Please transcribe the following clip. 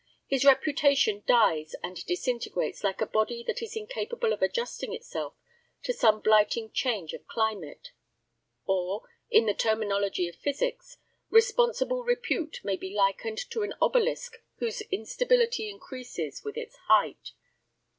His reputation dies and disintegrates like a body that is incapable of adjusting itself to some blighting change of climate. Or, in the terminology of physics, responsible repute may be likened to an obelisk whose instability increases with its height.